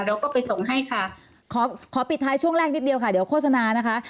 เราก็ไปส่งให้ค่ะขอขอปิดท้ายช่วงแรกนิดเดียวค่ะเดี๋ยวโฆษณานะคะ